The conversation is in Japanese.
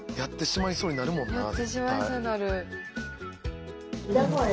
やってしまいそうになる。